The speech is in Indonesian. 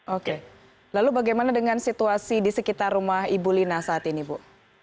oke lalu bagaimana dengan situasi di sekitar rumah ibu lina saat ini ibu